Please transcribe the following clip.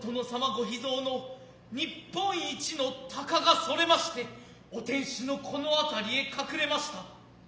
御秘蔵の日本一の鷹がそれましてお天守の此のあたりへ隠れました。